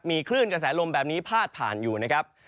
มีคลื่นกระแสลมแบบนี้พาดผ่านอยู่นะครับ